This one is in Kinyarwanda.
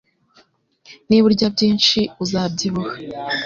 Niba urya byinshi, uzabyibuha